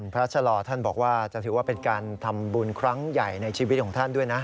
ชะลอท่านบอกว่าจะถือว่าเป็นการทำบุญครั้งใหญ่ในชีวิตของท่านด้วยนะ